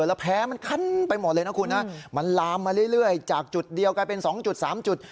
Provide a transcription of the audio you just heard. แล้วแพ้มันคันไปหมดเลยนะคุณนะมันลามมาเรื่อยจากจุดเดียวกลายเป็น๒๓จุด